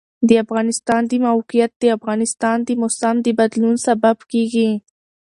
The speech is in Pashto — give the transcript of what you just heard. د افغانستان د موقعیت د افغانستان د موسم د بدلون سبب کېږي.